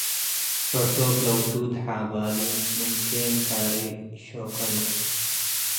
ረሶብ ለዉቱድ ሓባሉ ምንኬን ካሪ ሾከኑ